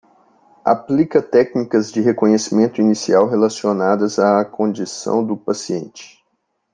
Aplica técnicas de reconhecimento inicial relacionadas à condição do paciente.